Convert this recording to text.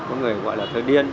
có người thì gọi là thơ điên